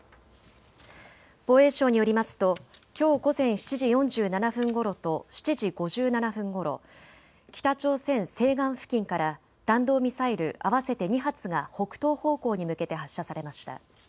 防衛省によりますときょう午前７時４７分ごろと７時５７分ごろ、北朝鮮西岸付近から弾道ミサイル合わせて２発が北東方向に向けて発射されました。